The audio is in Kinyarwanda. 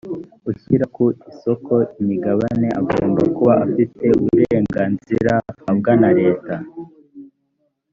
ushyira ku isoko imigabane agomba kuba afite uburenganzira ahabwa na leta